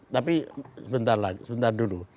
tapi sebentar dulu